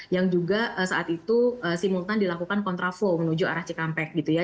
yang juga saat itu simultan dilakukan kontraflow menuju arah cikampek gitu ya